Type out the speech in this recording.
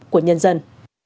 của nhân dân